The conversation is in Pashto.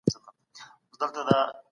پخوا د اقتصادي پرمختګ مفهوم ډېر محدود و.